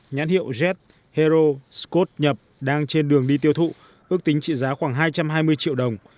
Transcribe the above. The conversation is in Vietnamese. nhãn hiệu jet hero scot nhập đang trên đường đi tiêu thụ ước tính trị giá khoảng hai trăm hai mươi triệu đồng